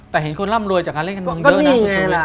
แต่เห็นคนร่ำรวยจากการเล่นการเมืองเยอะนะ